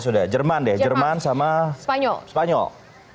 sudah jerman deh jerman sama spanyol